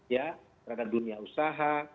ya terhadap dunia usaha